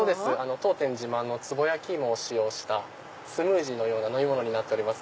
当店自慢のつぼ焼き芋を使用したスムージーのような飲み物です。